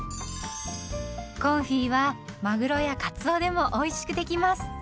コンフィはマグロやカツオでもおいしくできます。